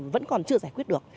vẫn còn chưa giải quyết được